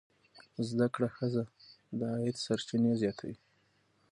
زده کړه ښځه د عاید سرچینې زیاتوي.